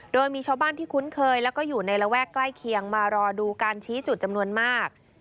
โดยมีชาวบ้านที่คุ้นเคยแล้วก็อยู่ในระแวกใกล้เคียงมารอดูการชี้จุดจำนวนมาก